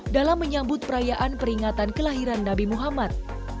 dalam menyambut perayaan peringatan kelahiran nabi muhammad